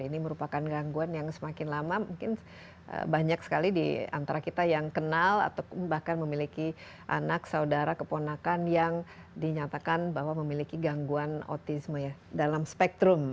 ini merupakan gangguan yang semakin lama mungkin banyak sekali di antara kita yang kenal atau bahkan memiliki anak saudara keponakan yang dinyatakan bahwa memiliki gangguan autisme ya dalam spektrum